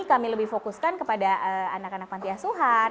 kami lebih fokuskan kepada anak anak pantiasuhan